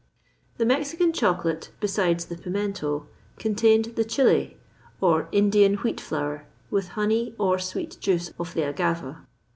The Mexican chocolate, besides the pimento, contained the chile, or Indian wheat flour, with honey, or sweet juice of the agava.